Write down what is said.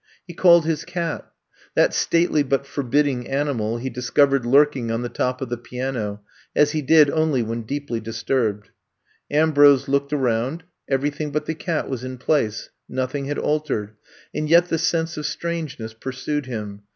He called his cat. That stately but forbidding animal he discovered lurking on the top of the piano, as he did only when deeply dis turbed. Ambrose looked around, everything but the cat was in place, nothing had altered, and yet the sense of strangeness pursued him.